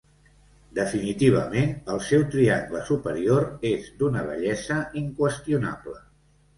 Definitivament el seu triangle superior és d'una bellesa inqüestionable.